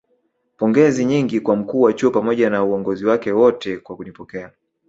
pongezi nyingi kwa mkuu wa chuo pamoja na uongozi wake wote kwa kunipokea